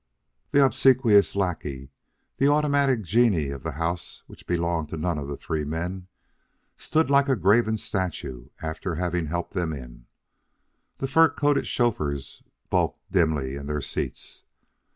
The obsequious lackey the automatic genie of the house which belonged to none of the three men, stood like a graven statue after having helped them in. The fur coated chauffeurs bulked dimly in their seats.